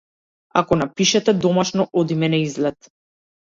Ако напишете домашно одиме на излет.